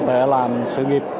tuệ làm sự nghiệp